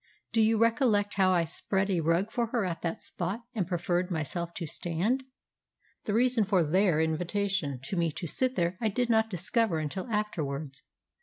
Do you recollect how I spread a rug for her at that spot and preferred myself to stand? The reason of their invitation to me to sit there I did not discover until afterwards.